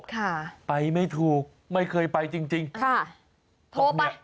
ค่ะไปไม่ถูกไม่เคยไปจริงข้าวเนี่ยโทรไป